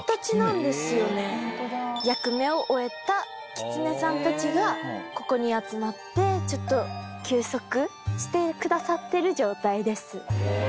役目を終えた狐さんたちがここに集まってちょっと休息してくださってる状態です。